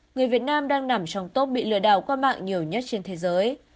người việt nam đang nằm trong top bị lừa đảo qua mạng nhiều nhất trên thế giới